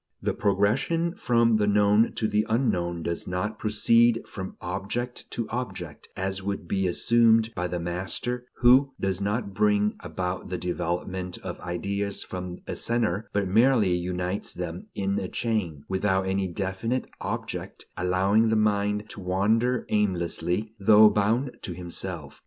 The progression from the known to the unknown does not proceed from object to object, as would be assumed by the master who does not bring about the development of ideas from a center, but merely unites them in a chain, without any definite object, allowing the mind to wander aimlessly, though bound to himself.